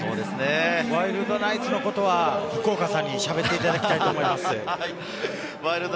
ワイルドナイツのことは福岡さんにしゃべっていただきたいと思います。